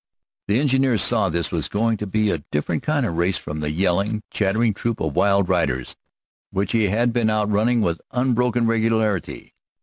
The engineer saw that this was going to be a different kind of race from the yelling, chattering troop of wild riders which he had been outrunning with unbroken regularity.